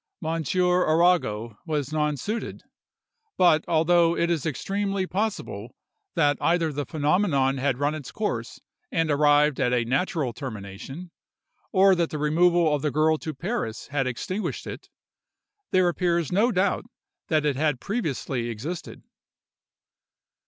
Monsieur Arago was nonsuited; but although it is extremely possible that either the phenomenon had run its course and arrived at a natural termination, or that the removal of the girl to Paris had extinguished it, there appears no doubt that it had previously existed.